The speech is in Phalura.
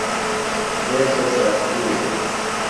تھے سوۡ سستِیلوۡ۔